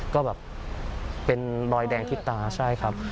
ก็แบบเป็นบอยแดงทิศตาใช่ครับ